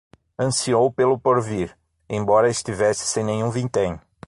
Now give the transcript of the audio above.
Ansiou pelo porvir, embora estivesse sem nenhum vintém